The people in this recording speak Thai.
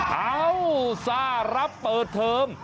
เอ้าซ่ารับเปิดเทอม